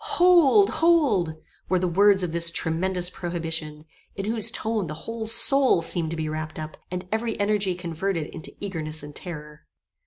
"Hold! Hold!" were the words of this tremendous prohibition, in whose tone the whole soul seemed to be wrapped up, and every energy converted into eagerness and terror.